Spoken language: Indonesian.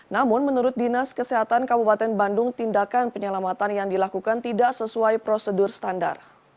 namun menurut dinas kesehatan kabupaten bandung tindakan penyelamatan yang dilakukan tidak sesuai prosedur standar